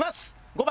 ５番。